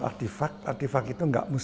artifak artifak itu